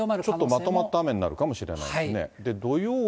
ちょっとまとまった雨になるかもしれないですね。